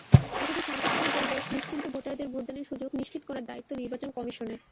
অথচ শান্তিপূর্ণ পরিবেশ, নিশ্চিন্তে ভোটারদের ভোটদানের সুযোগ নিশ্চিত করার দায়িত্ব নির্বাচন কমিশনের।